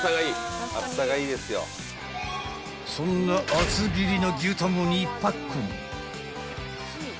［そんな厚切りの牛タンを２パック］